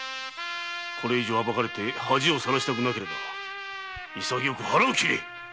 これ以上暴かれて恥を曝したくなくば潔く腹を切れ。